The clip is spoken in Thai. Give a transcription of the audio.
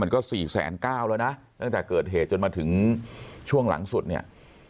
มันก็สี่แสนเก้าแล้วนะตั้งแต่เกิดเหตุจนมาถึงช่วงหลังสุดเนี่ย